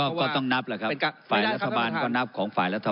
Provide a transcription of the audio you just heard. ก็ต้องนับแหละครับฝ่ายรัฐบาลก็นับของฝ่ายรัฐบาล